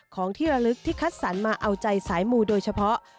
ของที่ระลึกที่คัดสรรมาเอาใจสายมูโดยเฉพาะ